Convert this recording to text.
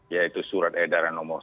yaitu surat edaran nomor satu